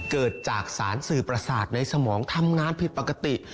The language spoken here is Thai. เกิดจากสารสื่อประสาทในสมองทำงานผิดปกติ